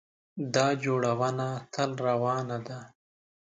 دا جوړونه تل روانه ده.